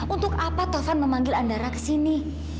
untuk apa taufan memanggil andara kesini